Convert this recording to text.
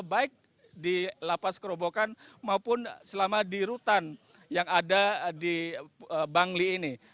baik di lapas kerobokan maupun selama di rutan yang ada di bangli ini